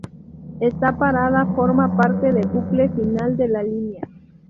Esta parada forma parte del bucle final de la línea.